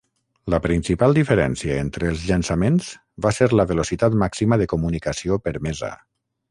La principal diferència entre els llançaments va ser la velocitat màxima de comunicació permesa.